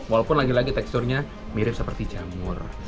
walaupun lagi lagi teksturnya mirip seperti jamur